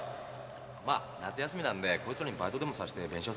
まっ夏休みなんでこいつらにバイトでもさせて弁償させます。